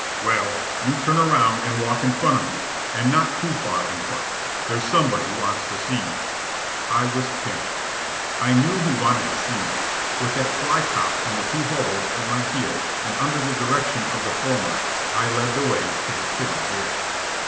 "Well, you turn around and walk in front of me, and not too far in front. There's somebody wants to see you." I was "pinched." I knew who wanted to see me. With that "fly cop" and the two hoboes at my heels, and under the direction of the former, I led the way to the city jail.